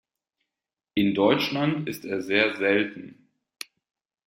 In Deutschland ist er sehr selten.